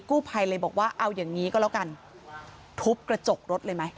ภัยเลยบอกว่าเอาอย่างนี้ก็แล้วกันทุบกระจกรถเลยไหม